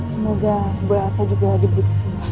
semoga bu elsa juga diberi keseluruhan